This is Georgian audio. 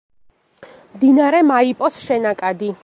მდინარე მაიპოს შენაკადი.